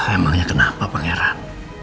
emangnya kenapa pangeran